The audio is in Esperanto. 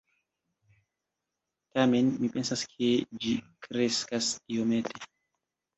Tamen, mi pensas, ke ĝi kreskas iomete